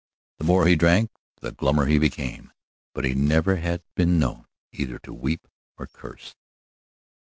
The more he drank the glummer he became, but he never had been known either to weep or curse.